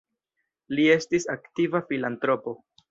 Li estis aktiva filantropo.